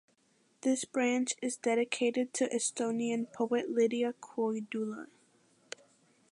This branch is dedicated to Estonian poet Lydia Koidula.